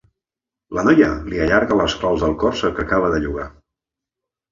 La noia li allarga les claus del Corsa que acaba de llogar.